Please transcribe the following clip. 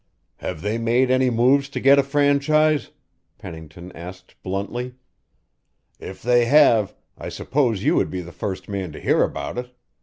"Have they made any move to get a franchise?" Pennington asked bluntly. "If they have, I suppose you would be the first man to hear about it.